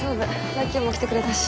ラッキーも来てくれたし。